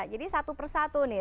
jadi satu persatu nih